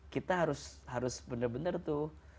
kita harus bener bener tuh